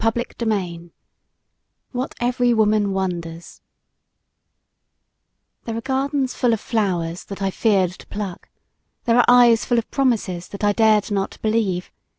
WHAT EVERY WOMAN WONDERS THERE are gardens full of flowers that I feared to pluck. There are eyes full of promises that I dared not believe.